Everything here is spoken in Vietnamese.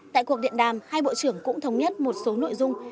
tại cuộc điện đàm hai bộ trưởng cũng thống nhất một số nội dung